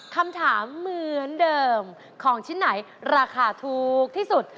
คำถามเหมือนเดิมของชิ้นไหนราคาถูกที่สุด